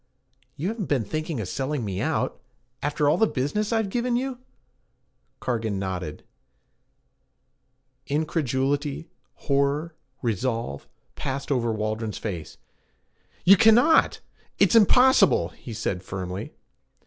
'You haven't been thinking of selling me out after all the business I've given you?' Cargan nodded. Incredulity, horror, resolve, passed over Waldron's face. 'You cannot! It's impossible!' he said firmly.